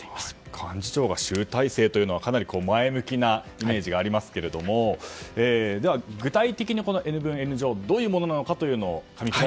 幹事長が集大成というのはかなり前向きなイメージがありますがでは具体的にこのＮ分Ｎ乗はどういうものなのか